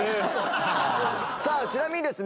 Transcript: さあちなみにですね